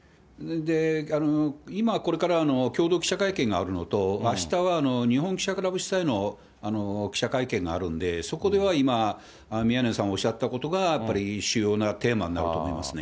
今、これから共同記者会見があるのと、あしたは日本記者クラブ主催の記者会見があるんで、そこでは今宮根さんおっしゃったことがやっぱり主要なテーマになると思いますね。